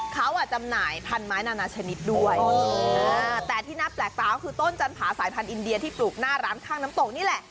เขาจำหน่ายพันไม้นานาชนิดด้วยแต่ที่น่าแปลกตาก็คือต้นจันผาสายพันธุอินเดียที่ปลูกหน้าร้านข้างน้ำตกนี่แหละ